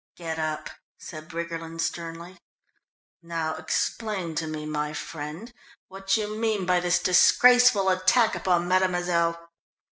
"Get up," said Briggerland sternly. "Now explain to me, my friend, what you mean by this disgraceful attack upon mademoiselle."